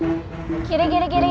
bagaimana aku pihak inilan blueprint